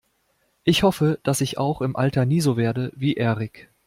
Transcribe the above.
Ich hoffe, dass ich auch im Alter nie so werde wie Erik.